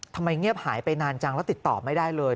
ทำไมเงียบหายไปนานจังแล้วติดต่อไม่ได้เลย